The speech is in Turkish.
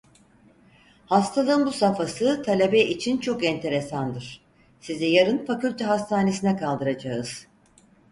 Hastalığın bu safhası talebe için çok enterasandır, sizi yarın fakülte hastanesine kaldıracağız!